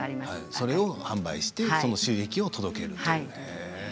それを販売して収益を届けると。